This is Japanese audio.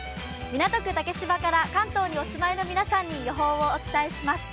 港区・竹芝から関東にお住まいの皆さんに予報をお伝えします。